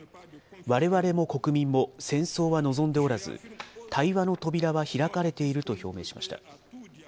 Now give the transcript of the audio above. われわれも国民も戦争は望んでおらず、対話の扉は開かれていると表明しました。